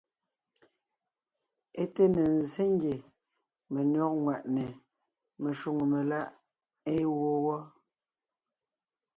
É té ne ńzsé ngie menÿɔ́g ŋwàʼne meshwóŋè meláʼ ée wó wɔ́.